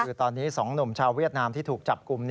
คือตอนนี้๒หนุ่มชาวเวียดนามที่ถูกจับกลุ่ม